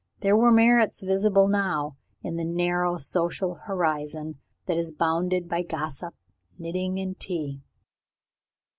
There were merits visible now, in the narrow social horizon that is bounded by gossip, knitting, and tea.